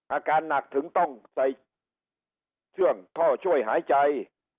อาการหนักถึงต้องใส่เชื่องท่อช่วยหายใจ